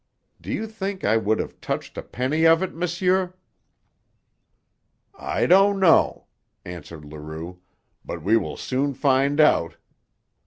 Do you think I would have touched a penny of it, monsieur?" "I don't know," answered Leroux. "But we will soon find out.